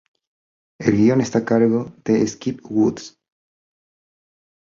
El guion está a cargo de Skip Woods.